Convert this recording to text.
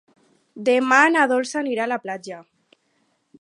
Demà na Dolça anirà a la platja.